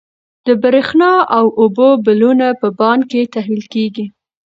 د برښنا او اوبو بلونه په بانک کې تحویل کیږي.